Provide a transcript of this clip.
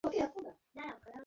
ঔষুধ কিংবা হাসপাতাল নেই।